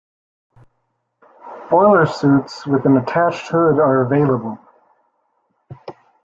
Boilersuits with an attached hood are available.